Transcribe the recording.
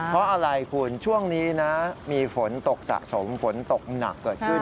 เพราะอะไรคุณช่วงนี้นะมีฝนตกสะสมฝนตกหนักเกิดขึ้น